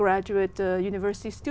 đảm bảo là một cơ sở